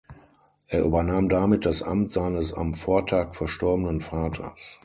Er übernahm damit das Amt seines am Vortag verstorbenen Vaters.